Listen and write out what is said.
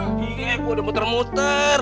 iya gua udah muter muter